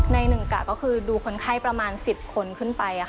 หนึ่งกะก็คือดูคนไข้ประมาณ๑๐คนขึ้นไป